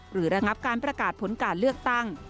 ระงับการประกาศผลการเลือกตั้ง